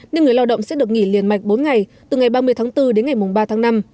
nên người lao động sẽ được nghỉ liền mạch bốn ngày từ ngày ba mươi tháng bốn đến ngày ba tháng năm